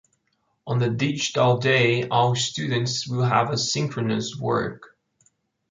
On the digital day, all students will have asynchronous work.